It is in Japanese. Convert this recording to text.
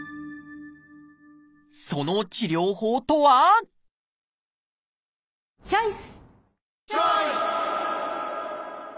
その治療法とはチョイス！